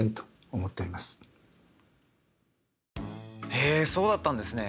へえそうだったんですね。